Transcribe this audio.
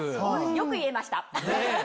よく言えました。ねぇ。